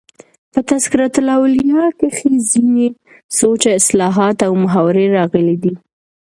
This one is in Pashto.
په "تذکرة الاولیاء" کښي ځيني سوچه اصطلاحات او محاورې راغلي دي.